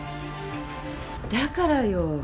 だからよ。